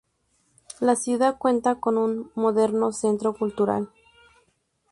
La ciudad cuenta con un moderno centro cultural.